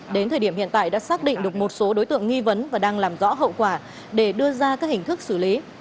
đến thời điểm hiện tại đã xác định được một số đối tượng nghi vấn và đang làm rõ hậu quả để đưa ra các hình thức xử lý